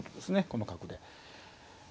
この角で。